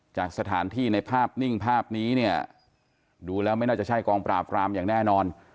จากสถานที่ในภาพนิ่งภาพนี้เนี่ยดูแล้วไม่น่าจะใช่กองปราบรามอย่างแน่นอน